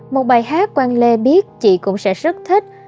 một bài hát quan lê biết chị cũng sẽ rất thích